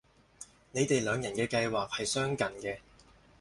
你哋兩人嘅計劃係相近嘅